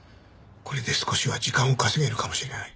これで少しは時間を稼げるかもしれない。